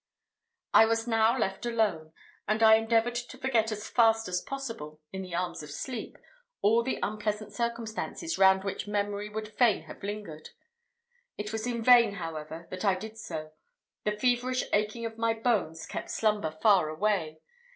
I was now left alone, and I endeavoured to forget as fast as possible, in the arms of sleep, all the unpleasant circumstances round which memory would fain have lingered. It was in vain, however, that I did so; the feverish aching of my bones kept slumber far away.